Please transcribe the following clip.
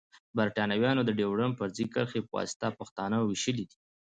بريتانويانو د ډيورنډ فرضي کرښي پواسطه پښتانه ويشلی دی.